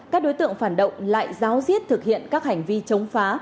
các đối tượng phản động lại giáo diết thực hiện các hành vi chống phá